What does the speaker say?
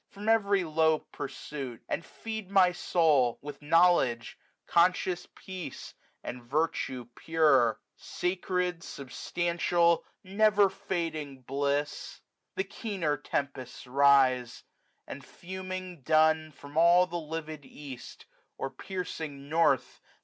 From every low pursuit i and feed my soul 220 tP4 WINTER; With knowledge, conscious peace, and virtue pure ; Sacred, substantial, never fading bliss ! The keener tempests rise : and fuming dun From all the livid east, or piercing north.